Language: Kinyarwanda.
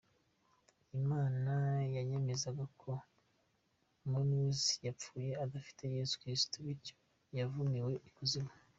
Imana yanyemezaga ko Mowzey yapfuye adafite Yesu Kristo, bityo yavumiwe ikuzimu.